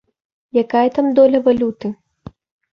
Якая там доля валюты?